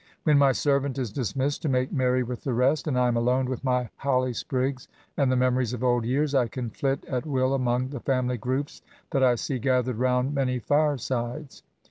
When my servant is dismissed to make merry with the rest, and I am alone with my holly sprigs and the memories of old years, I can flit at will among the family groups that I see gathered round many fire sides.